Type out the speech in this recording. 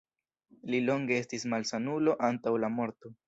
Li longe estis malsanulo antaŭ la morto.